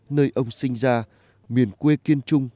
nơi ông sinh ra miền quê kiên trung